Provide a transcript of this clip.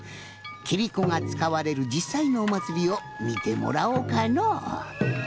キリコがつかわれるじっさいのおまつりをみてもらおうかのう。